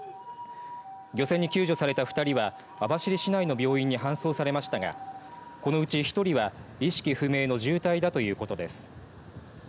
漁船に救助された２人は網走市内の病院に搬送されましたがこのうち１人は意識不明の重体だということです。